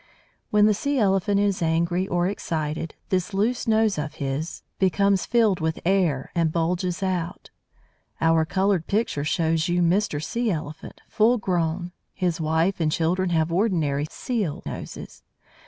When the Sea elephant is angry or excited, this loose nose of his becomes filled with air, and bulges out. Our coloured picture shows you Mr. Sea elephant, full grown; his wife and children have ordinary seal noses.